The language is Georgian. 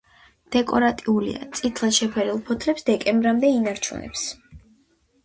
დეკორატიულია, წითლად შეფერილ ფოთლებს დეკემბრამდე ინარჩუნებს.